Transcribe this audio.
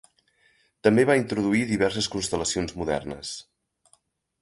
També va introduir diverses constel·lacions modernes.